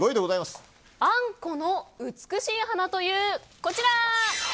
あんこの美しい花という、こちら。